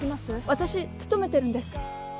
私勤めてるんです